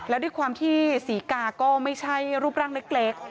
แล้วด้วยความที่ศรีกาก็ไม่ใช่รูปร่างเล็ก